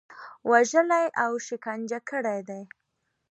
وژلي او شکنجه کړي دي.